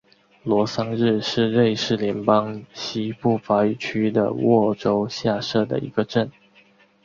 罗桑日是瑞士联邦西部法语区的沃州下设的一个镇。